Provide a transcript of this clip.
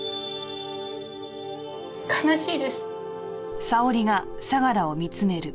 悲しいです。